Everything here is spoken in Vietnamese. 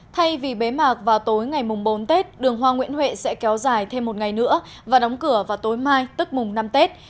thay vì bế mạc vào tối ngày mùng bốn tết đường hoa nguyễn huệ sẽ kéo dài thêm một ngày nữa và đóng cửa vào tối mai tức mùng năm tết